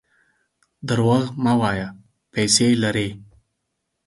درواغ مه وایه ! پیسې لرې.